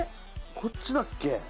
こっちだっけ？